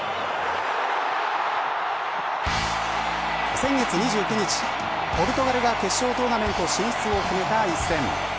先月２９日ポルトガルが決勝トーナメント進出を決めた一戦。